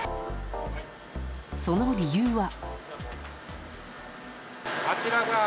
その理由は。